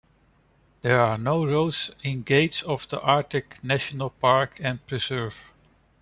There are no roads in Gates of the Arctic National Park and Preserve.